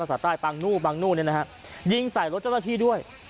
ภาษาใต้ปางนูปางนู้นี่นะฮะยิงใส่รถเจ้าหน้าที่ด้วย